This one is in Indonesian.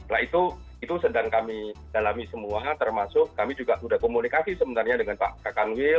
lah itu sedang kami dalami semua termasuk kami juga sudah komunikasi sementara dengan pak kak kanwil